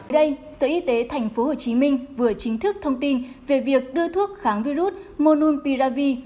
ở đây sở y tế tp hcm vừa chính thức thông tin về việc đưa thuốc kháng virus monopiravir